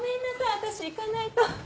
私行かないと。